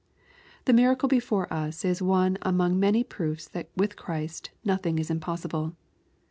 The miracle before us is one among many proofs that with Christ nothing is impossible.